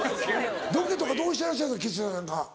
ロケどうしてらっしゃるんですか吉瀬さんなんか。